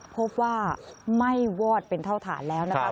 พบว่าไม่วอดเป็นเท่าฐานแล้วนะครับ